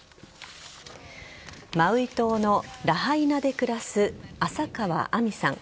マウイ島のラハイナで暮らす浅川明海さん。